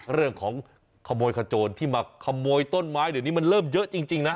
เรื่องของขโมยขโจรที่มาขโมยต้นไม้เดี๋ยวนี้มันเริ่มเยอะจริงนะ